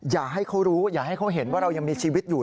อย่าให้เขารู้อย่าให้เขาเห็นว่าเรายังมีชีวิตอยู่